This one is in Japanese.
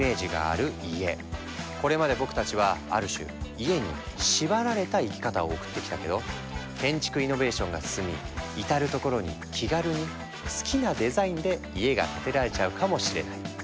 これまで僕たちはある種家に縛られた生き方を送ってきたけど建築イノベーションが進み至る所に気軽に好きなデザインで家が建てられちゃうかもしれない。